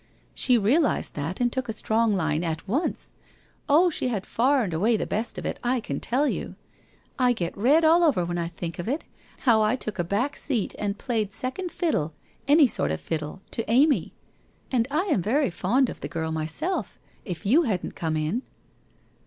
She realized that and took a strong line at once. Oh, she had far and away the best of it, I can tell you ! I get red all over when I think of it, how I took a back seat and played second fiddle, any sort of fiddle, to Amy. And I am very fond of the girl myself, if you hadn't come in.'